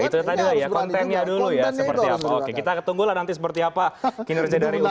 kontennya dulu ya seperti apa oke kita tunggulah nanti seperti apa kinerja dari ukpip ini tuh